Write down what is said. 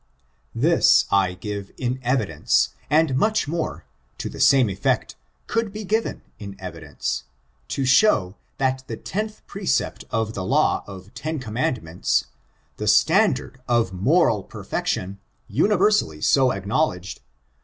This, I give in evidence ; and much more, to the same effect, could be given in evidence, to show that the tenth precept of the law of ten commandroeuts — the standard of moral perfection, univei sally so acknowled^ped^— 1 I ,^^^#%^^^.